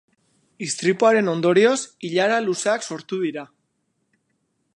Istripuaren ondorioz, ilara luzeak sortu dira.